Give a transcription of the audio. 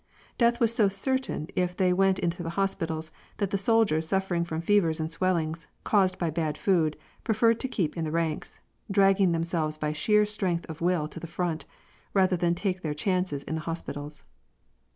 Death was so certain if they went into the hospitals, that the soldiers suffering from fevers and swellings, caused by bad food, preferred to keep in the ranks — dragging themselves by sheer strength of will to the front, rather than take their chances in the hospitals.